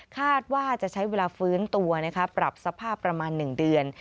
คาดว่าจะใช้เวลาฟื้นตัวปรับสภาพประมาณ๑เดือน